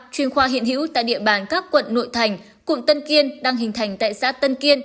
chuyên khoa hiện hữu tại địa bàn các quận nội thành quận tân kiên đang hình thành tại xã tân kiên